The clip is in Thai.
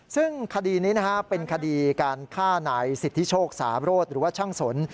ซึ่งคดีนี้เป็นคดีการฆ่านายสิทธิโชคสาโรธหรือว่าช่างสน